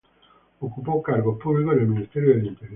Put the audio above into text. Ocupó cargos públicos en el Ministerio del Interior.